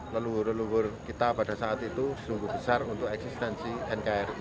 leluhur leluhur kita pada saat itu sungguh besar untuk eksistensi nkri